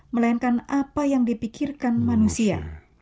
melainkan apa yang dipikirkan manusia